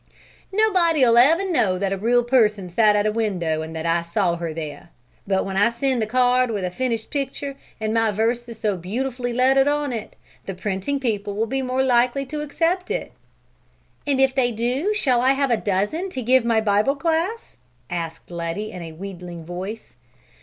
"Nobody'll ever know that a real person sat at a real window and that I saw her there; but when I send the card with a finished picture, and my verses beautifully lettered on it, the printing people will be more likely to accept it." "And if they do, shall I have a dozen to give to my Bible class?" asked Letty in a wheedling voice.